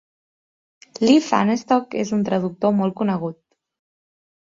Lee Fahnestock és un traductor molt conegut.